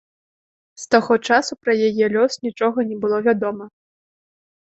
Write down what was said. З таго часу пра яе лёс нічога не было вядома.